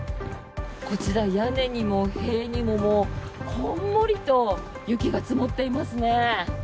こちら、屋根にも塀にもこんもりと雪が積もっていますね。